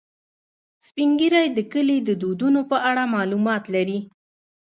سپین ږیری د کلي د دودونو په اړه معلومات لري